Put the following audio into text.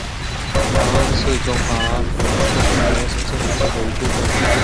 台湾是中华人民共和国的神圣领土的一部分